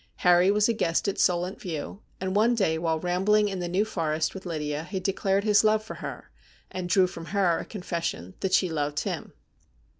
Harry was a guest at Solent View, and one day while rambling in the New Forest with Lydia he declared his love for her, and drew from her a confession that she loved him.